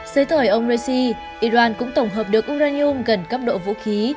dưới thời ông raisi iran cũng tổng hợp được uranium gần cấp độ vũ khí